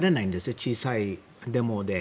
小さいデモで。